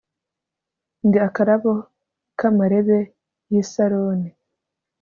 ndi akarabo k'amarebe y'i saroni